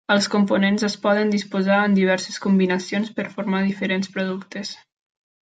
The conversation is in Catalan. Els components es poden disposar en diverses combinacions per formar diferents productes.